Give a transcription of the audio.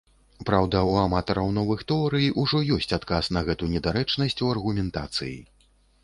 Праўда, у аматараў новых тэорый ужо ёсць адказ на гэту недарэчнасць у аргументацыі.